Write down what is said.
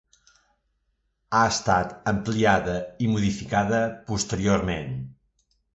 Ha estat ampliada i modificada posteriorment.